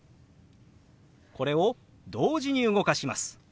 これを同時に動かします。